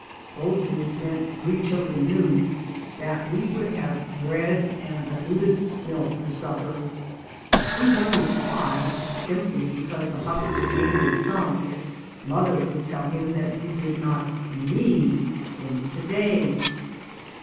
Those words meant, we children knew, that we would have bread and diluted milk for sup per. We wondered why, simply because the huckster named a sum, mother would tell him that we did not need any to day